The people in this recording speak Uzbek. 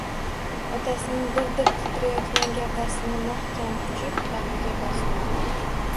Otasining dir-dir titrayotgan gavdasini mahkam quchib, bag‘riga bosdi.